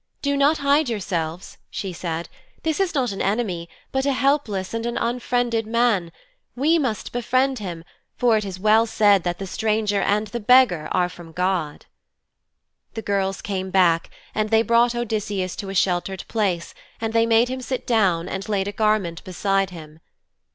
'Do not hide yourselves,' she said. 'This is not an enemy, but a helpless and an unfriended man. We must befriend him, for it is well said that the stranger and the beggar are from God.' The girls came back and they brought Odysseus to a sheltered place and they made him sit down and laid a garment beside him.